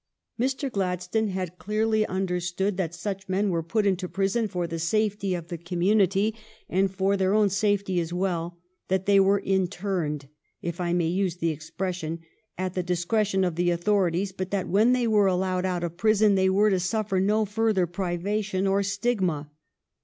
Mr. Gladstone had clearly understood HOME RULE 379 that such men were put into prison for the safety of the community and for their own safety as well; that they were " interned," if I may use the expres sion, at the discretion of the authorities, but that when they were allowed out of prison they were to suffer no further privation or stigma.